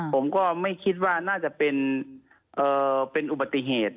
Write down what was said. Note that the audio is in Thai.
ผมก็ไม่คิดว่าน่าจะเป็นอุบัติเหตุ